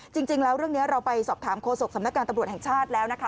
จริงแล้วเรื่องนี้เราไปสอบถามโฆษกสำนักการตำรวจแห่งชาติแล้วนะคะ